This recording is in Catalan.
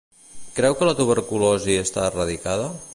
Creu que la tuberculosi està erradicada?